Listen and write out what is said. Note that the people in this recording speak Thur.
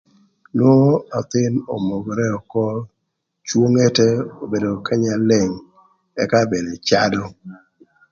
Nwongo athïn ömögërë ökö, cwo ngete obedo kanya leng, ëka bene cadö.